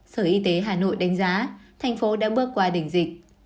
sở y tế hà nội đánh giá thành phố đã bước qua đỉnh dịch